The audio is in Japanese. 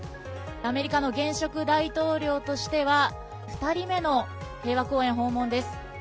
アメリカの現職大統領しては２人目の平和公園訪問です。